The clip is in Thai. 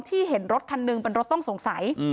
ที่เห็นรถทันหนึ่งมันรถต้องสงสัย